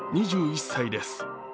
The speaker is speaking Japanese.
２１歳です。